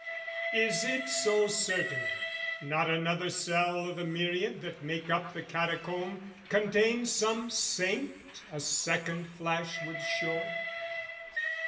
"Is it so certain, not another cell "O' the myriad that make up the catacomb, "Contains some saint a second flash would show?